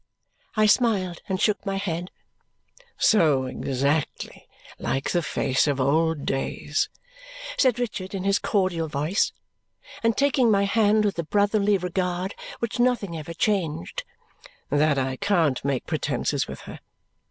I smiled and shook my head. " So exactly like the face of old days," said Richard in his cordial voice, and taking my hand with the brotherly regard which nothing ever changed, "that I can't make pretences with her.